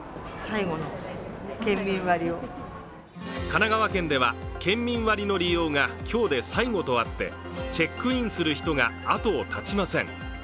神奈川県では県民割の利用が今日で最後とあってチェックインする人が、後を絶ちません。